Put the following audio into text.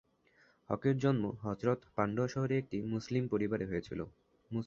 হকের জন্ম হযরত পান্ডুয়া শহরে একটি মুসলিম পরিবারে হয়েছিল।